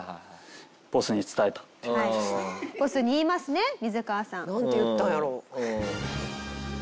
ボスに言いますねミズカワさん。なんて言ったんやろう？